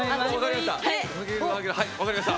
分かりました。